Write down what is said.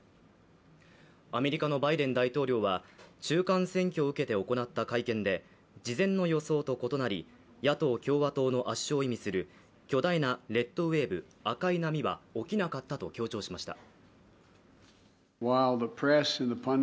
アメリカのバイデン大統領は中間選挙を受けて行った会見で事前の予想と異なり、野党・共和党の圧勝を意味する巨大なレッドウェーブ＝赤い波は起きなかったと強調しました。